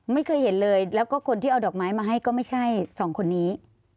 ไม่เคยเห็นเลยแล้วก็คนที่เอาดอกไม้มาให้ก็ไม่ใช่สองคนนี้